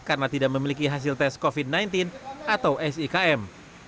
karena tidak memiliki hasil tes covid sembilan belas atau sikm